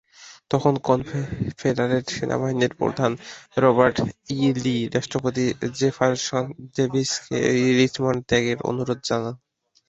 তখন কনফেডারেট সেনাবাহিনীর প্রধান রবার্ট ই লি রাষ্ট্রপতি জেফারসন ডেভিস-কে রিচমন্ড ত্যাগের অনুরোধ জানান।